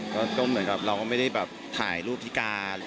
ก็เหมือนกับเราก็ไม่ได้แบบถ่ายรูปพิการ